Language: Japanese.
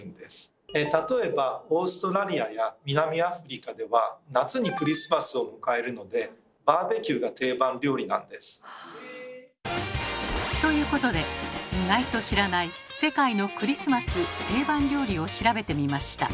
例えばオーストラリアや南アフリカでは夏にクリスマスを迎えるのでバーベキューが定番料理なんです。ということで意外と知らない世界のクリスマス定番料理を調べてみました。